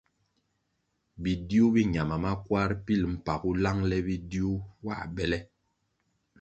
Bidiu bi ñama makwar pilʼ mpagu langʼle bidiu nwā bele.